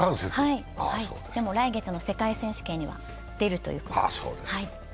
でも来月の世界選手権には出るということです。